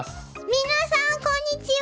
皆さんこんにちは！